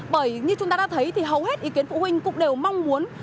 bởi như chúng ta đã thấy thì hầu hết ý kiến phụ huynh cũng đều mong muốn